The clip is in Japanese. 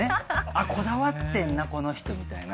「あこだわってんなこの人」みたいな。